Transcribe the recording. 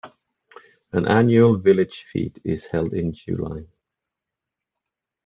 An annual village fete is held in July.